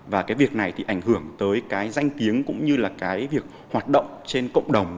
và cái việc này thì ảnh hưởng tới cái danh tiếng cũng như là cái việc hoạt động trên cộng đồng